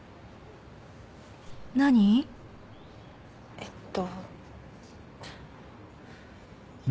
えっと。